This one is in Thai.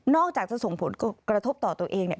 อกจากจะส่งผลกระทบต่อตัวเองเนี่ย